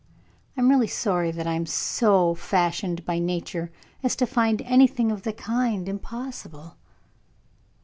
I am really sorry that I am so fashioned by nature as to find anything of the kind impossible."